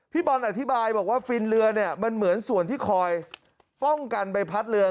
บอลอธิบายบอกว่าฟินเรือเนี่ยมันเหมือนส่วนที่คอยป้องกันใบพัดเรือ